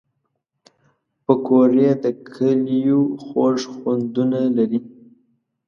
پکورې د کلیو خوږ خوندونه لري